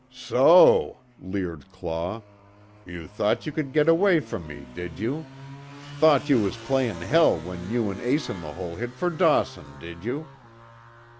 "So," leered Claw, "You thought you could git away from me did you? Thought you was playin' hell when you an' Ace In The Hole hit fer Dawson, did you?